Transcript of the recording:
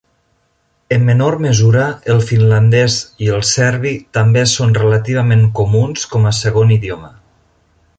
En menor mesura, el finlandès i el serbi també són relativament comuns com a segon idioma.